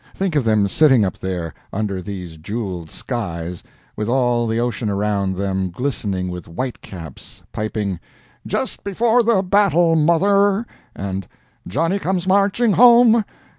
Think of them sitting up there, under these jeweled skies, with all the ocean around them glistening with white caps, piping "Just Before the Battle, Mother!" and "Johnny Comes Marching Home!"